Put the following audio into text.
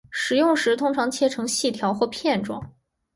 食用时通常切成细条或片状。